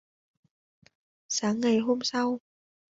Sáng ngày hôm sau